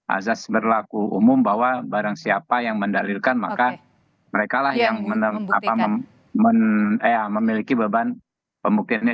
azas berlaku umum bahwa barang siapa yang mendalilkan maka mereka lah yang memiliki beban pembuktiannya